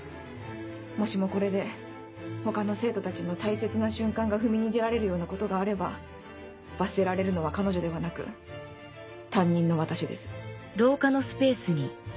もしもこれで他の生徒たちの大切な瞬間が踏みにじられるようなことがあれば罰せられるのは彼女でなく担任の私です。